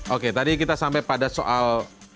oke tadi kita sampai pada soal